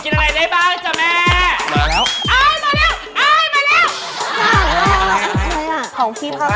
๓๒๐กินอะไรได้บ้างจ้าแม่